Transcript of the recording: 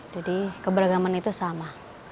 jadi keberagaman itu sama